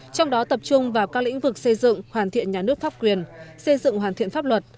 trong đó tập trung vào các lĩnh vực xây dựng hoàn thiện nhà nước pháp quyền xây dựng hoàn thiện pháp luật